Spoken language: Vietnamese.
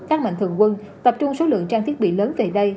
các mạnh thường quân tập trung số lượng trang thiết bị lớn về đây